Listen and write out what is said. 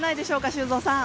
修造さん。